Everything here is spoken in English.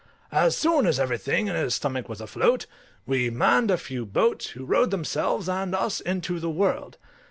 As soon as everything in his stomach was afloat, we manned a few boats, who rowed themselves and us into the world.